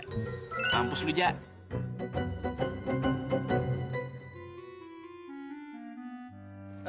kampus lu jaa